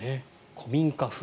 古民家風。